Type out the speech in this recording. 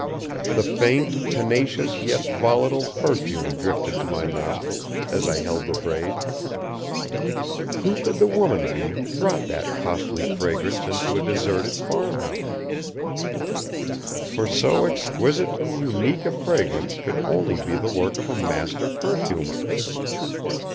The faint, tenacious yet volatile perfume drifted to my nostrils, as I held the braid. Who could the woman be who brought that costly fragrance into a deserted farmhouse? For so exquisite and unique a fragrance could only be the work of a master perfumer.